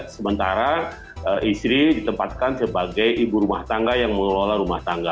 sementara istri ditempatkan sebagai ibu rumah tangga yang mengelola rumah tangga